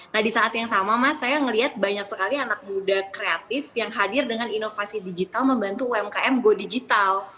nah di saat yang sama mas saya melihat banyak sekali anak muda kreatif yang hadir dengan inovasi digital membantu umkm go digital